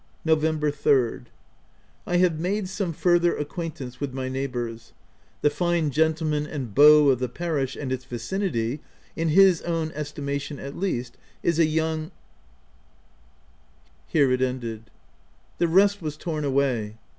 November 3rd. — I have made some further acquaintance with my neighbours. The fine gentleman and beau of the parish and its vicinity (in his own estimation, at least,) is a young # *rr 3JC 5|C 5|C Here it ended. The rest was torn away.